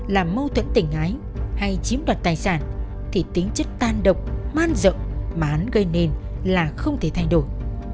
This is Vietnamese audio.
là mâu thuẫn tỉnh ái hay chiếm đoạt tài sản thì tính chất tan độc man rộng bán gây nên là không thể thay đổi